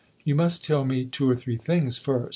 " You must tell me two or three things first.